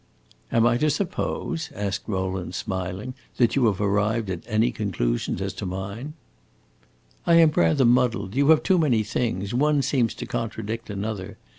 "Am I to suppose," asked Rowland, smiling, "that you have arrived at any conclusions as to mine?" "I am rather muddled; you have too many things; one seems to contradict another.